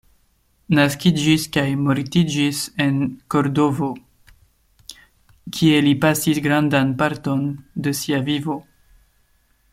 Naskiĝis kaj mortiĝis en Kordovo, kie li pasis grandan parton de sia vivo.